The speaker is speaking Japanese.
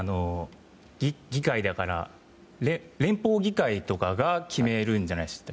議会だから連邦議会とかが決めるんじゃないですか。